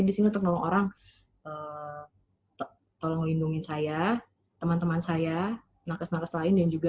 disini untuk nolong orang tolong lindungi saya teman teman saya nakas nakas lain dan juga